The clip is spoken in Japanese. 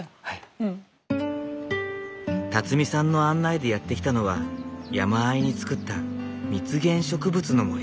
さんの案内でやって来たのは山あいに作った蜜源植物の森。